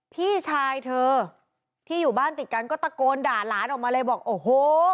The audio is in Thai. พี่ชายเธอที่อยู่บ้านติดกันก็ตะโกนด่าหลานออกมาเลยบอกโอ้โห